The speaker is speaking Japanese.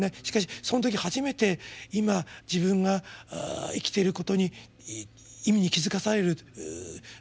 しかしその時初めて今自分が生きていることに意味に気付かされる。